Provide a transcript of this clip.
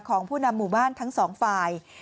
ของผู้นำหมู่บ้านทั้งสองฝ่าย